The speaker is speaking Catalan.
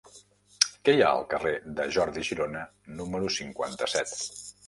Què hi ha al carrer de Jordi Girona número cinquanta-set?